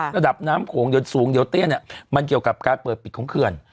ระดับน้ำโขงเดี๋ยวสูงเดี๋ยวเตี้ยเนี่ยมันเกี่ยวกับการเปิดปิดของเขื่อน